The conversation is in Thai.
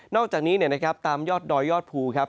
อกจากนี้นะครับตามยอดดอยยอดภูครับ